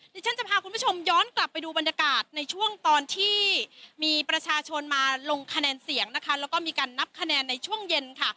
ดิฉันจะพาคุณผู้ชมย้อนกลับไปดูบรรยากาศในช่วงตอนที่มีประชาชนมาลงคะแนนเสียงนะคะแล้วก็มีการนับคะแนนในช่วงเย็นค่ะ